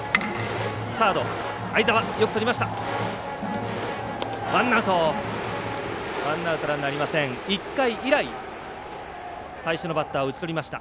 サードの相澤、よくとりました。